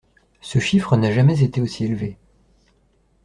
Ce chiffre n’a jamais été aussi élevé.